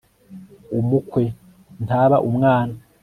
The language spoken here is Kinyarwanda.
umukwe ntaba umwana